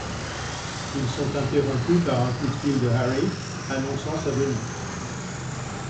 Ils sont interrompus par un coup de fil de Harry annonçant sa venue.